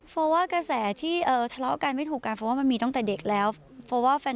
โฟว่ากระแสที่ทะเลาะกรายไม่ถูกกันมันมีตั้งแต่เด็กแล้ว